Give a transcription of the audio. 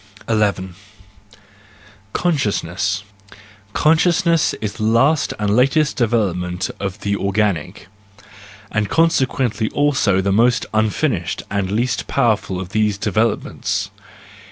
ii. Consciousness .— Consciousness is the last and latest development of the organic, and consequently also the most unfinished and least powerful of these developments.